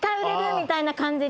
みたいな感じで。